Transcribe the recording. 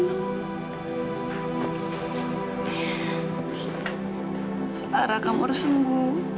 lara kamu harus sembuh